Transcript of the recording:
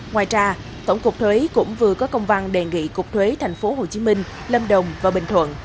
ngoài ra tổng cục thuế cũng vừa có công văn đề nghị cục thuế tp hcm lâm đồng và bình thuận